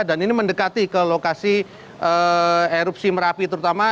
dan ini mendekati ke lokasi erupsi merapi terutama